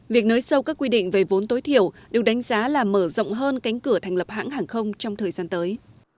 việc nới sâu các quy định về vốn tối thiểu được đánh giá là mở rộng hơn cánh cửa thành lập hãng hàng không trong thời gian tới